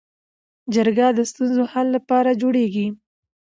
جرګه د ستونزو حل لپاره جوړیږي